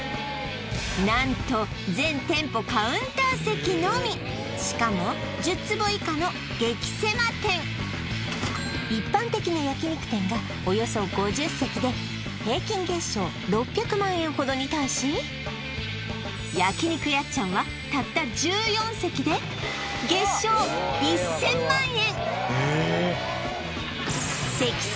何と全店舗カウンター席のみしかも１０坪以下の激狭店一般的な焼肉店がおよそ５０席で平均月商６００万円ほどに対し焼肉やっちゃんはたった１４席で月商１０００万円！